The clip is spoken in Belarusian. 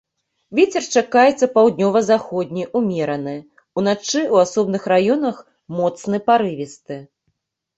Вецер чакаецца паўднёва-заходні ўмераны, уначы ў асобных раёнах моцны парывісты.